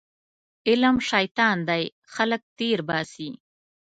علم شیطان دی خلک تېرباسي